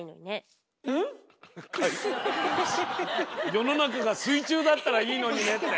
世の中が水中だったらいいのにねって。